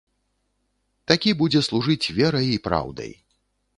Такі будзе служыць верай і праўдай.